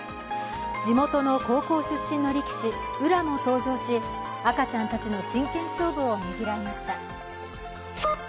地元の高校出身の力士、宇良も登場し赤ちゃんたちの真剣勝負をねぎらいました。